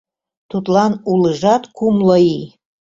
Тудлан улыжат кумло ий.